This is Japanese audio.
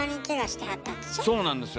そうなんですよ。